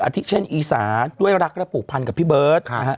อะทิเช่นอีศาด้วยรักและผูกพันกับพี่เบิ้ด